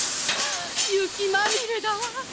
ゆきまみれだわ。